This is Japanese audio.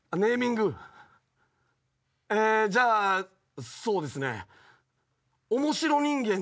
じゃあそうですね。